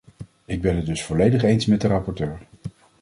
Ik ben het dus volledig eens met de rapporteur.